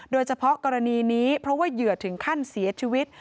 โดยเฉพาะกรณีนี้เพราะว่าเหยื่อถึงขั้นเสียชีวิต